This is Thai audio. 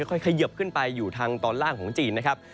ค่อยเขยิบขึ้นไปอยู่ทางตอนล่างของจีนนะครับ